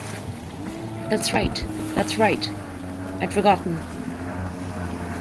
That's right, that's right — I'd forgotten.